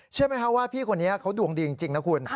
เชื่อไหมคะว่าพี่คนนี้เขาดวงดีจริงนะคุณ